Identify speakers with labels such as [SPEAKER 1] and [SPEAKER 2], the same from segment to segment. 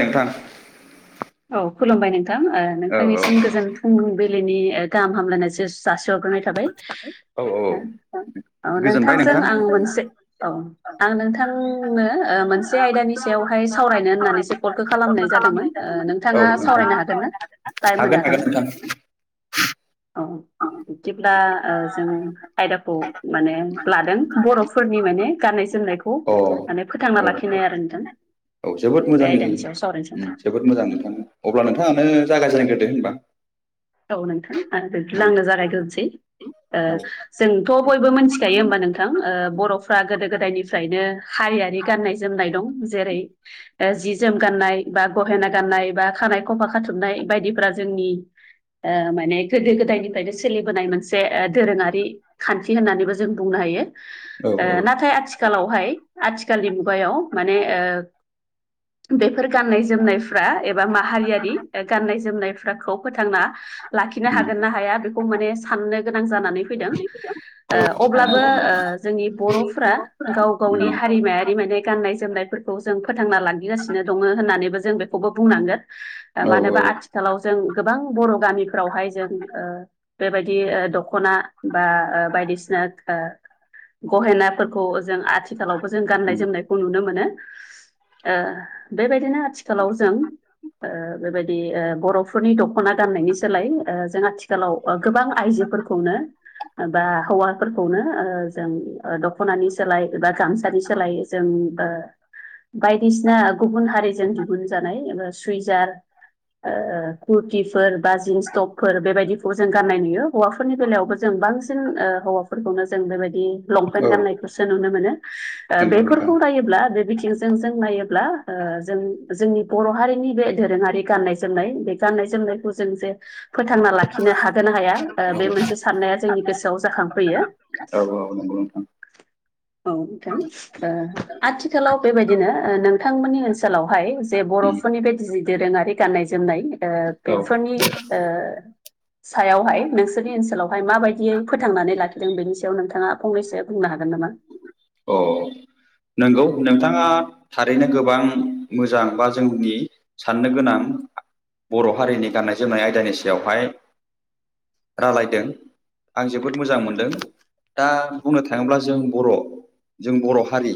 [SPEAKER 1] नोंथां।
[SPEAKER 2] औ खुलुमबाय नोंथां ओ
[SPEAKER 1] औ
[SPEAKER 2] नोंथांनिसिम गोजोन फुंबिलिनि गाहाम हामलायनाय जोस जासि हरग्रोनाय थाबाय।
[SPEAKER 1] औ औ
[SPEAKER 2] औ
[SPEAKER 1] गोजोनबाय
[SPEAKER 2] नोंथांजों
[SPEAKER 1] नोंथां
[SPEAKER 2] आं मोनसे औ आं नोंथांनो ओ मोनसे आयदानि सायाव हाय सावरायनो होननानैसो कलखौ खालामनाय जादोंमोन। ओ
[SPEAKER 1] औ
[SPEAKER 2] नोंथाङा
[SPEAKER 1] नोंथां
[SPEAKER 2] सावरायनो हागोन ना? टाइम होनो हागोन ना? औ बिदिब्ला ओ जों आयदाखौ माने लादों बर'फोरनि मा माने गाननाय जोमनायखौ
[SPEAKER 1] अ औ
[SPEAKER 2] माने फोथांना
[SPEAKER 1] औ
[SPEAKER 2] लाखिनाय आरो नोंथां।
[SPEAKER 1] औ जोबोद
[SPEAKER 2] बे
[SPEAKER 1] मोजांनि
[SPEAKER 2] आयदानि सायाव सावरायनो
[SPEAKER 1] ओम
[SPEAKER 2] सानदों
[SPEAKER 1] जोबोद मोजां नोंथां। अब्ला नोंथाङानो जागाय जेनग्रोदो होनबा।
[SPEAKER 2] औ नोंथां आं बिदिब्ला
[SPEAKER 1] उम
[SPEAKER 2] आङो जागायग्रोनोसै। ओ जोंथ' बयबो मिथिखायो होमबा नोंथां ओ बर'फ्रा गोदो गोदायनिफ्रायनो हा हारियारि गाननाय जोमनाय दं। जेरै ओ जि जोम गाननाय बा गहेना गाननाय बा खानाय खफा खाथुमनाय बायदिफोरा जोंनि ओ माने गोदो गोदायनिफ्रायनो सोलिबोनाय मोनसे ओ दोरोङारि खान्थि होननानैबो जों बुंनो हायो।
[SPEAKER 1] औ
[SPEAKER 2] ओ
[SPEAKER 1] औ उम
[SPEAKER 2] नाथाय आथिखालावहाय आथि थिखालनि मुगायाव माने ओ बेफोर गाननाय जोमनायफ्रा एबा माहारियारि ओ गाननाय जोमनायफ्राखौ फोथांना लाखिनो हागोन ना हाया बेखौ माने साननो गोनां जानानै फैदों। ओ
[SPEAKER 1] औ
[SPEAKER 2] अब्लाबो
[SPEAKER 1] नंगौ नोंथां उम
[SPEAKER 2] ओ जोंनि बर'फ्रा गाव
[SPEAKER 1] औ औ उम औ
[SPEAKER 2] गावनि
[SPEAKER 1] नंगौ नोंथां
[SPEAKER 2] हारिमायारि माने गाननाय जोमनाय फोरखौ जों फोथांना लांगिगासिनो दङ होननानैबो जों जों बेखौबो बुंनांगोन। ओ मानोबा आथिखालाव जों गोबां बर' गामि फोरावहाय जों ओ बेबायदि ओ दख'ना बा ओ बायदिसिना ओ गहेनाफोरखौ जों आथिखालावबो जों गाननाय जोमनायखौ नुनो मोनो। ओ बेबायदिनो आथिखालाव जों बेबायदि बर'फोरनि दख'ना गाननायनि जोलाय जों आथिखालाव गोबां आइजोफोरखौनो बा हौवाफोरखौनो जों दख'नानि सोलाय बा गामसानि सोलाय जों बायदिसिना गुबुन हारिजों दिहुनजानाय। सुइजार ओ कुरथिफोर बा जिन्स टपफोर बेबायदिखौबो जों गाननाय नुयो। हौवाफोरनि बेलायावबो जों बांसिन हौवाफोरखौनो जों बेबायदि लंपेन्ट गाननायखौसो नुनो मोनो। बेफोरखौ नायोब्ला बे बिथिंजों जों नायोब ब्ला जों जोंनि बर' हारिनि बे दोरोङारि गाननाय जोमनाय बे गान्नाय जोमनायखौ जों जे फोथांना लाखिनो हागोन ना हाया? बे मोनसे साननाया जोंनि गोसोआव जाखांफैयो
[SPEAKER 1] [unintelligible]
[SPEAKER 2] [unintelligible] औ नोंथां आथिखालाव बेबायदिनो नोंथांमोननि ओनसोलावहाय जे बर' बर'फोरनि जि दोरोङारि गाननाय जोमनाय
[SPEAKER 1] उम
[SPEAKER 2] बेफोरनि ओ सायावहाय नोंसोरनि ओनसोलावहाय माबायदियै फोथांनानै लाखिदों। बेनि सायाव नोंथाङा फंनैसो बुंनो हागोन। नामा?
[SPEAKER 1] अ नंगौ न बिथाङा थारैनो गोबां मोजां बा जोंनि साननो गोनां बर' हारिनि गाननाय जोमनाय आयदानि सायावहाय रायलाइदों आं जोबोद मोजां मोनदों। दा बुंनो थाङोब्ला जों बर' जों बर' हारि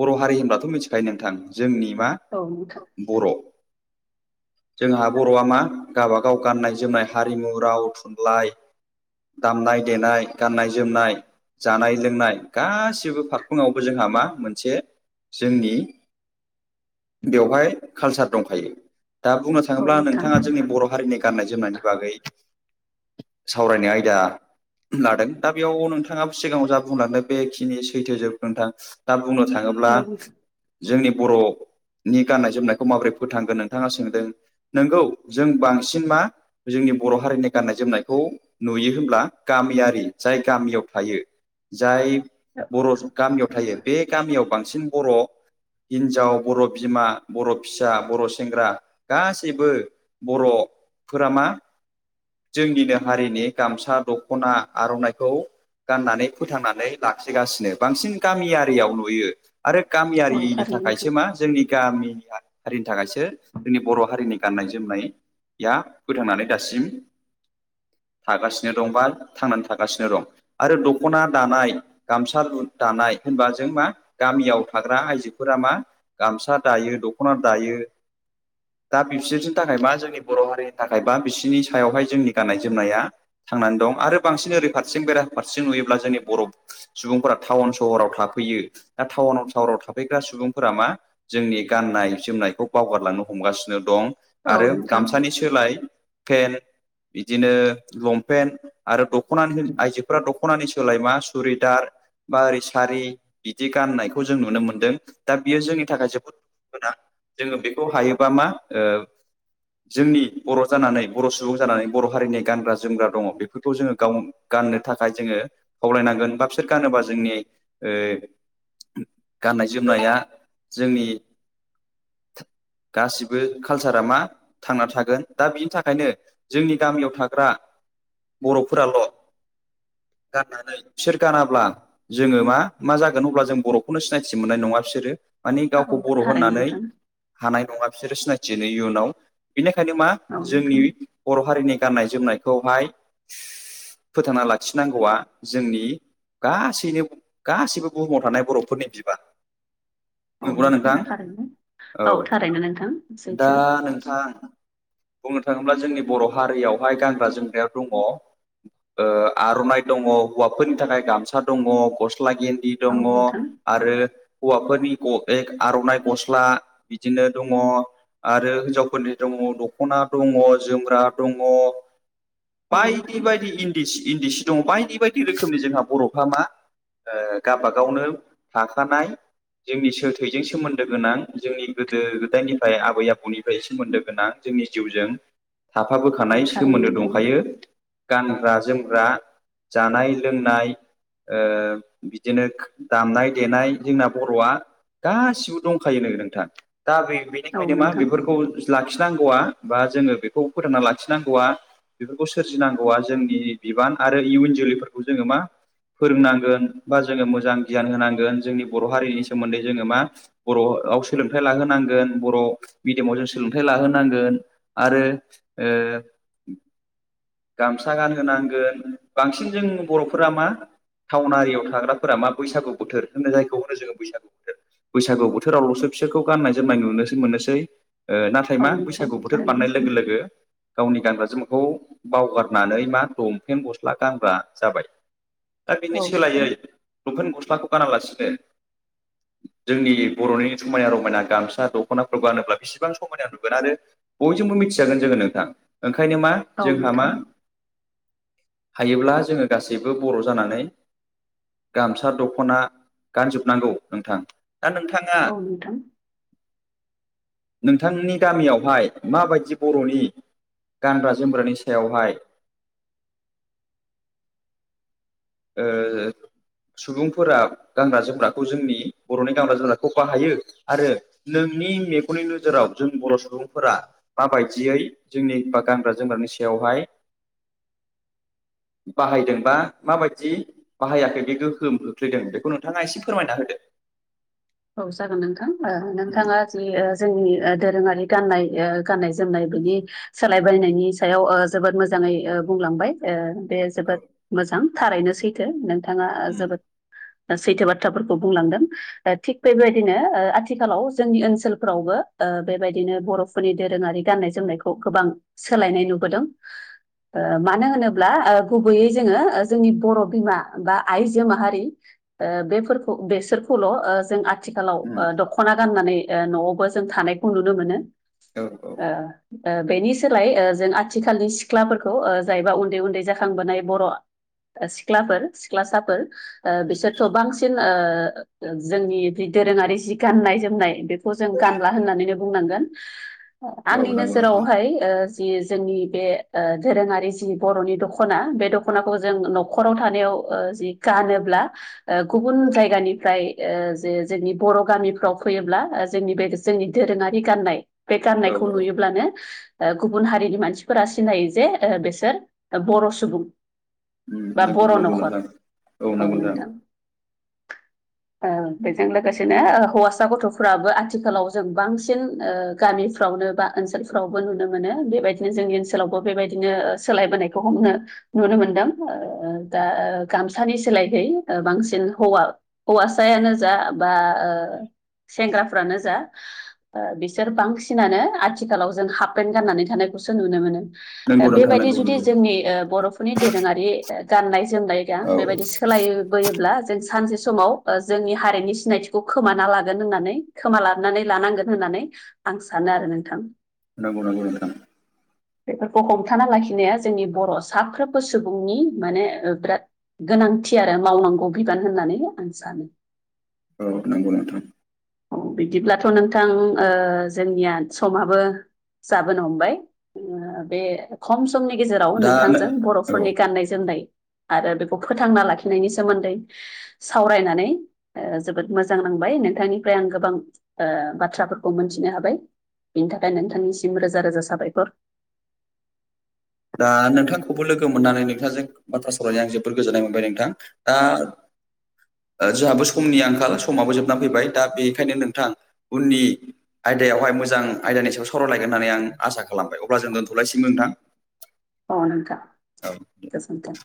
[SPEAKER 1] बर' हारि होनब्लाथ' मिथिखायो नोंथां जोंनि बा
[SPEAKER 2] औ नोंथां
[SPEAKER 1] बर'
[SPEAKER 2] [inaudible]
[SPEAKER 1] जोंहा बर'आ मा गबागाव गाननाय जोमनाय हारिमु राव थुनलाइ दामनाय देनाय गाननाय जोमनाय जानाय लोंनाय गासिबो फारखङावबो जोंहा मा मोनसे जोंनि बेवहाय कालसार दंखायो। दा बुंनो
[SPEAKER 2] औ
[SPEAKER 1] थाङोब्ला
[SPEAKER 2] नोंथां
[SPEAKER 1] नोंथाङा जोंनि बर' हारिनि गाननाय जोमनायनि बागै सावरायनाय आयदा लादों। दा बेयाव नोंथाङाबो सिगाङाव जा बुंलादों बेखिनि सैथो जोब नोंथां। दा बुंनो थाङोब्ला
[SPEAKER 2] औ नोंथां
[SPEAKER 1] जोंनि बर' नि गाननाय जोमनायखौ माबोरै फोथांगोन नोंथाङा सोंदों। नोंगौ जों बांसिन मा जोंनि बर' हारिनि गाननाय जोमनायखौ नुयो होनब्ला। गामियारि जाय गामियाव थायो जाय बर' गामियाव थायो बे गामियाव बांसिन बर' हिनजाव बर' बिमा बर' फिसा बर' सेंग्रा गासैबो बर' फोरामा जोंनिनो हारिनि गामसा दख'ना आर'नाइखौ गाननानै फोथांनानै लाखिगासिनो बांसिन गामियारियाव नुयो। आरो
[SPEAKER 2] औ
[SPEAKER 1] गामियारिनि
[SPEAKER 2] थारैनो
[SPEAKER 1] थाखायसो
[SPEAKER 2] नोंथां
[SPEAKER 1] मा जोंनि गामि हारिनि थाखायसो जोंनि बर' हारिनि गान्नाय जोमनाय या फोथांनानै दासिम थागासिनो दं बा थांनानै थागासिनो दं आरो दख'ना दानाय गामसा दानाय होनबा जों मा गामियाव थाग्रा आइजोफोरा मा गामसा दायो दख'ना दायो दा बिसोरनि थाखाय मा जोंनि बर' हारिनि थाखाय बा बिसोरनि सायावहाय जोंनि गाननाय जोमनाया थांनानै दं आरो बांसिन ओरै फारसे बेराफारसे नुयोब्ला जोंनि बर' सुबुंफोरा टाउन सहराव थाफैयो। दा टाउन टाउराव थाफैग्रा सुबुंफोरा मा जोंनि गान नाय जोमनायखौ बावगारलांनो हमगासिनो दं
[SPEAKER 2] औ
[SPEAKER 1] आरो
[SPEAKER 2] नोंथां
[SPEAKER 1] गामसानि सोलाय पेन्ट बिदिनो लंपेन्ट आरो दख'ना आइजोफोरा दख'ना दख'नानि सोलायमा सुरिदार बा ओरै सारि बिदि गाननायखौ जों नुनो मोनदों। दा बियो जोंनि थाखाय जोबोद मोना [inaudible] जोङो बेखौ हायोबा मा? ओ जोंनि बर' जानानै बर' सुबुं जानानै बर' हारिनि गानग्रा जोमग्रा दङ बेफोरखौ जोङो गाव गाननो थाखाय जोङो खावलायनांगोन बा बिसोर गानोबा जोंनि ओ गाननाय जोमनाया जोंनि
[SPEAKER 2] [unintelligible]
[SPEAKER 1] गासिबो कालसारा मा थांना थागोन दा बिनि थाखायनो जोंनि गामियाव थाग्रा बर'फोराल' गाननानै सोर गानाब्ला जोङो मा मा जागोन अब्ला जों बर'खौनो सिनायथि मोननाय नङा बिसोरो मानि गावखौ
[SPEAKER 2] औ
[SPEAKER 1] बर'
[SPEAKER 2] थारैनो
[SPEAKER 1] होननानै
[SPEAKER 2] नोंथां
[SPEAKER 1] हानाय नङा बिसोरो सिनायथियो इयुनाव बेनिखाय ओंखायनो मा
[SPEAKER 2] औ
[SPEAKER 1] जोंनि
[SPEAKER 2] नोंथां
[SPEAKER 1] बर' हारिनि गाननाय जोमनाय खौहाय फोथांना लाखिनांगौआ जोंनि गासैनो गासैबो बुहुमाव थानाय बर'फोरनि बिबान
[SPEAKER 2] [inaudible] औ नोंथां थारैनो औ थारैनो नोंथां
[SPEAKER 1] दा
[SPEAKER 2] सैथो।
[SPEAKER 1] नोंथां बुंनो थाङोब्ला जोंनि बर' हारियावहाय गानग्रा जोमग्राया दङ। आर'नाइ दङ'हौवाफोरनि थाखाय गामसा दङ गस्ला गेन्दि
[SPEAKER 2] औ
[SPEAKER 1] दङ
[SPEAKER 2] नोंथां
[SPEAKER 1] आरो हौवाफोरनि आर'नाइ गस्ला बिदिनो दङ' आरो हिनजावफोरनि दङ दख'ना दङ जोम्रा दङ'
[SPEAKER 2] औ
[SPEAKER 1] बायदि
[SPEAKER 2] नोंथां
[SPEAKER 1] बायदि इन्दि इन्दि सि दङ बायदि बायदि रोखोमनि जोंहा बर'फ्रा मा? गावाब गावनो थाखानाय जोंनि थैजों सोमोन्दो गोनां जोंनि गोदो गोदायनिफ्राय आबै आबौनिफ्राय सोमोन्दो गोनां जोंनि जिउजों
[SPEAKER 2] औ
[SPEAKER 1] थाफाबोखानाय
[SPEAKER 2] थारैनो
[SPEAKER 1] सोमोन्दो
[SPEAKER 2] नोंथां
[SPEAKER 1] दंखायो गानग्रा जोम ग्रा जानाय लोंनाय, ओ बिदिनो दामनाय, देनाय, जोंना बर'आ गासिबो दंखायो नो नोंथां दा बे
[SPEAKER 2] औ
[SPEAKER 1] बेनिखायनो मा
[SPEAKER 2] नोंथां
[SPEAKER 1] बेफोरखौ लाखिनो नांगौआ बा जोङो बेखौ फोथोंना लाखिनांगौआ बेफोरखौ सोरजिनांगौआ जोंनि बिबान आरो इयुन जोलैफोरखौ जोङो मा फोरोंनांगोन बा जोङो मोजां गियान होनांगोन जोंनि बर' हारिनि सोमोन्दै जोङो मा बर' आव सोलोंथाइ लाहोनांगोन बर' मिडियामाव जों सोलोंथाइ लाहोनांगोन आरो।
[SPEAKER 2] [inaudible]
[SPEAKER 1] गामसा गानहोनांगोन बांसिन जों बर'फोरा मा टाउन आरिआव थाग्राफोरा मा बैसागु बोथोर होनो जायखौ होनो जोङो बैसागु बोथोर बैसागु बोथोरावल'सो बिसोरखौ गाननाय जोमनाय नुनो मोननोसै नाथाय
[SPEAKER 2] औ
[SPEAKER 1] मा
[SPEAKER 2] नोंथां
[SPEAKER 1] बैसागु बोथोर फाननाय
[SPEAKER 2] थारैनो
[SPEAKER 1] लोगो लोगो गावनि गानग्रा जोमग्राखौ बावगारनानै मा लंफेन गस्ला गानग्रा जाबाय दा बिनि
[SPEAKER 2] औ नोंथां
[SPEAKER 1] सोलायै लंपेन गस्लाखौ गानालासिनो
[SPEAKER 2] [inaudible]
[SPEAKER 1] जोंनि बर'नि समायना रमायना गामसा दख'नाफोरखौ गानोब्ला बेसिबां समायना नुगोन। आरो बयजोंबो मिथिजागोन जङोन नोंथां ओंखायनो मा
[SPEAKER 2] औ
[SPEAKER 1] जोंहा मा
[SPEAKER 2] नोंथां।
[SPEAKER 1] हायोब्ला जोङो गासैबो बर' जानानै, गामसा दख'ना गानजोबनांगौ नोंथां। दा नोंथाङा,
[SPEAKER 2] औ नोंथां
[SPEAKER 1] नोंथांनि गामियावहाय माबायदि बर'नि गानग्रा जोमग्रानि सायावहाय ओ, सुबुंफोरा गानग्रा जोमग्राखौ जोंनि बर'नि गानग्रा जोमग्राखौ बाहायो आरो नोंनि जोंनि मेगननि नोजोराव जों बर' सुबुंफोरा माबायदियै जोंनि बा गानग्रा जोमग्रानि सायाव खौहाय
[SPEAKER 2] [inaudible]
[SPEAKER 1] बाहायदोंबा माबायदि जि बाहायाखै बे गोहोम खोख्लैदों बेखौ नोंथाङा एसे फोरमायना होदो
[SPEAKER 2] औ जागोन नोंथां ओ नोंथाङा जि जोंनि ओ दोरोङारि गाननाय ओ गाननाय जोमनाय बिनि सोलायबायनायनि सायाव ओ जोबोद मोजां नै ओ बुंलांबाय ओ बे जोबोद मोजां थारैनो सैथो नोंथाङा जोबोद सैथो बाथ्राफोरखौ बुंलांदों दा थिग बेबायदिनो ओआथिखालाव जोंनि ओनसोलफ्रावबो ओ बेबायदिनो बर'फोरनि दोरोङारि गाननाय जोम नायखौ गोबां सोलायनाय नुबोदों ओ मानो होनोब्ला ओ गुबैयै जोङो जोंनि बर' बिमा बा आइजो माहारि ओ बेफोरखौ बेसोरखौल' जों आ आथिखालाव ओ दख'ना गाननानै ओ न'आवबो जों थानायखौ नुनो मोनो
[SPEAKER 1] औ औ
[SPEAKER 2] ओ ओ बेनि सोलाय ओ जों आथिखालनि सिख्लाफोरखौ जायबा उन्दै उन्दै जाखांबोनाय बर' सिख्लाफोर सिख्लासाफोर ओ बिसोरथ' बांसिन ओ जोंनि दोरोङारि जि गाननाय जोमनाय बेखौ जों गानला होननानैनो बुंनांगोन
[SPEAKER 1] औ
[SPEAKER 2] आंनि
[SPEAKER 1] नंगौ नोंथां
[SPEAKER 2] नोजोरावहाय ओ जि जोंनि बे ओ दोरोङारि जि बर'नि दख'ना बे दख'नाखौ जों न'खराव थानायाव ओ जि गानोब्ला ओ गुबुन जायगनिफ्राय ओ जोंनि बर' गामिफ्राव फैयोब्ला जोंनि बे जोंनि दोरोङारि गाननाय बे
[SPEAKER 1] औ
[SPEAKER 2] गाननायखौ
[SPEAKER 1] औ
[SPEAKER 2] नुयोब्लानो ओ गुबुन हारिनि मानसिफोरा सिनायो जे ओ बिसोर बर' सुबुं
[SPEAKER 1] उम
[SPEAKER 2] बा
[SPEAKER 1] नंगौ
[SPEAKER 2] बर'
[SPEAKER 1] नंगौ
[SPEAKER 2] न'खर
[SPEAKER 1] नोंथां
[SPEAKER 2] औ नोंथां औ जों लोगोसेनो हौवासा गथ'फ्राबो आथिखालाव जों बांसिन ओ गामिफ्रावनो बा ओनसोल ओइफ्रावबो नुनो मोनो बेबायदिनो जोंनि ओनसोलावबो बेबायदिनो सोलायबोनायखौ हमनो नुनो मोनदों ओ दा गामसानि सोलाय होइ बांसिन होवा हौवासायानो जा बा ओ सेंग्राफ्रानो जा ओ बिसोर बांसिनानो आथिखालाव जों हाफपेन्ट गाननानै थानाय खौसो नुनो मोनो
[SPEAKER 1] नंगौ नोंथां
[SPEAKER 2] बेबायदि
[SPEAKER 1] नंगौ
[SPEAKER 2] जुदि
[SPEAKER 1] नंगौ
[SPEAKER 2] जोंनि ओ बर'फोरनि दोरोङारि ओ गाननाय जोम जोमनाया
[SPEAKER 1] औ
[SPEAKER 2] बेबायदि सोलायबोयोब्ला जों सानसे समाव जोंनि हारिनि सि सिनायथिखौ खोमाना लागोन होननानै खोमा लानानै लानांगोन होननानै आं सानो आरो नोंथां
[SPEAKER 1] नोंगौ नोंगौ नोंथां
[SPEAKER 2] बेफोरखौ हमथाना लाखिनाया जोंनि बर' साफ्रोमबो सुबुंनि माने बिराद गो गोनांथि आरो मावनांगौ बिबान होननानै आं सानो
[SPEAKER 1] औ नांगौ नोंथां
[SPEAKER 2] औ बिदिब्लाथ' नोंथां ओ जोंनिया समाबो जाबोनो हमबाय ओ बे खम सम समनि गेजेराव
[SPEAKER 1] दा
[SPEAKER 2] नोंथांजों
[SPEAKER 1] औ
[SPEAKER 2] बर'फोरनि गाननाय जोमनाय आरो बेखौ फोथांना लाखिनायनि सोमोन्दै सावरायनानै ओ जोबोद मोजां नांबाय नोंथांनिफ्राय आं गोबां ओ बाथ्राफोरखौ मोनथिनो हाबाय बिनि थाखाय नोंथांनिसिम रोजा रोजा साबायखर
[SPEAKER 1] दा नोंथांखौबो लोगो मोननानै नोंथांजों बाथ्रा सावरायना आं जोबोर गोजोननाय मोनबाय नोंथां दा जोंहाबो समनि आंखाल समाबो जोबनानै फैबाय दा बेखायनो नोंथां उननि आयदायावहाय मोजां आयदानि सायाव सावरायलायगोन होननानै आं आसा खालामबाय अब्ला जों दोन्थ'लायसिगोन नोंथां
[SPEAKER 2] अ नोंथां गोजोनथों